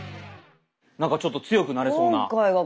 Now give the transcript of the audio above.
なんかちょっと強くなれそうな企画。